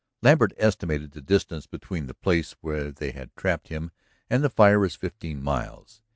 Lambert estimated the distance between the place where they had trapped him and the fire as fifteen miles.